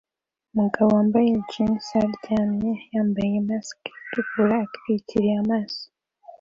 Umugabo wambaye jeans aryamye yambaye mask itukura itwikiriye amaso